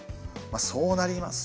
そうなりますと。